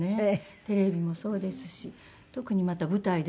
テレビもそうですし特にまた舞台でもここのところ。